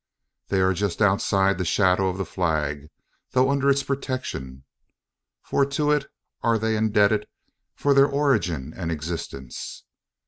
They are just outside the shadow of the flag, though under its protection for to it are they indebted for their origin and existence.